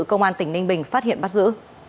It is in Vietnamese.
công an tỉnh ninh bình phát hiện bắt giữ